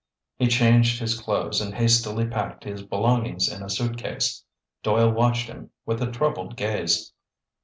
He changed his clothes and hastily packed his belongings in a suitcase. Doyle watched him with a troubled gaze.